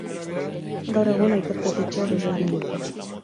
Gaur egun Aitor Jatetxea dugu haren lekuan.